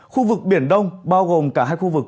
khu vực biển đông bao gồm cả hai khu vực